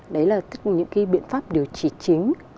đấy là những cái biện pháp điều trị chính